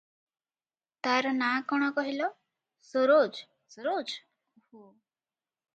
"ତାରନାଁ କଣ କହିଲ- ସରୋଜ- ସରୋଜ ।' ଓହୋ!